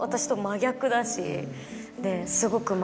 すごく。